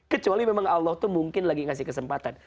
kecuali memang allah tuh mungkin lagi ngasih kesempatan